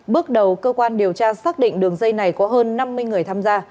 bước đầu cơ quan điều tra xác định đường dây này có hơn năm mươi người tham gia